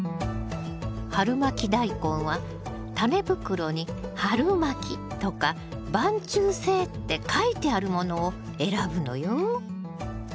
春まきダイコンはタネ袋に「春まき」とか「晩抽性」って書いてあるものを選ぶのよ。